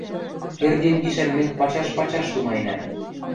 Кердин гишӓн мӹнь пачаш-пачаш тумаенӓм.